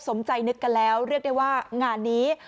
สมใจนึกกันแล้วเรียกได้ว่างานนี้